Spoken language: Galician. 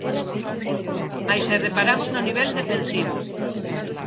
Mais se reparamos no nivel defensivo.